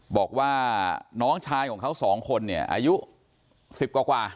บอกว่าน้องชายของเขาสองคนเนี่ยอายุ๑๐กว่า